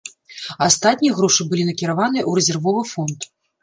А астатнія грошы былі накіраваныя ў рэзервовы фонд.